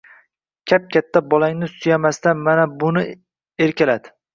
Kapkatta bolangni suymasdan mana buni erkalat!